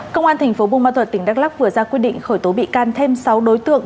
công an tp bung ma thuật tp đắc lắc vừa ra quyết định khởi tố bị can thêm sáu đối tượng